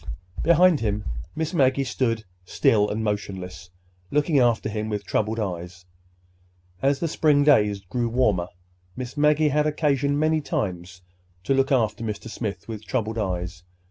Behind him, Miss Maggie still stood motionless, looking after him with troubled eyes. As the spring days grew warmer, Miss Maggie had occasion many times to look after Mr. Smith with troubled eyes.